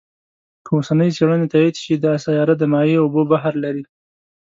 که اوسنۍ څېړنې تایید شي، دا سیاره د مایع اوبو بحر لري.